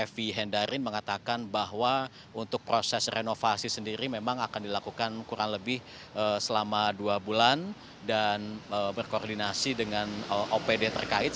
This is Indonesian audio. evi hendarin mengatakan bahwa untuk proses renovasi sendiri memang akan dilakukan kurang lebih selama dua bulan dan berkoordinasi dengan opd terkait